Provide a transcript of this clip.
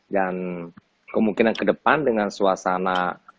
dan kemungkinan kedepan dengan suasana